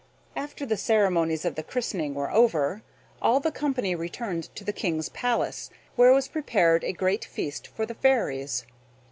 After the ceremonies of the christening were over, all the company returned to the King's palace, where was prepared a great feast for the fairies.